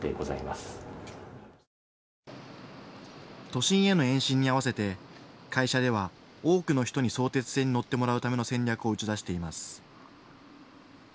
都心への延伸に合わせて会社では多くの人に相鉄線に乗ってもらうための戦略を打ち出しています。